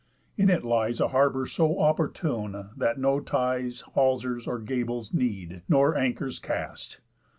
In it lies A harbour so oppórtune, that no ties, Halsers, or gables need, nor anchors cast.